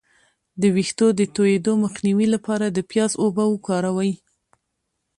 د ویښتو د تویدو مخنیوي لپاره د پیاز اوبه وکاروئ